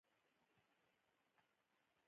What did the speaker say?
ځوانانو کږې میتیازې پیل کړي.